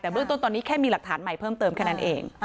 แต่เบื้องต้นตอนนี้แค่มีหลักฐานใหม่เพิ่มเติมแค่นั้นเอง